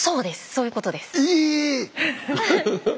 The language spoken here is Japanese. そういうことです。